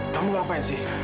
kamu ngapain sih